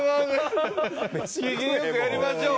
機嫌良くやりましょう。